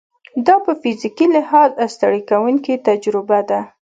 دا په فزیکي لحاظ ستړې کوونکې تجربه ده.